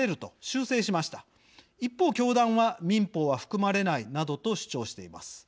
一方教団は「民法は含まれない」などと主張しています。